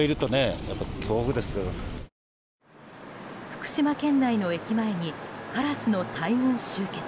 福島県内の駅前にカラスの大群集結。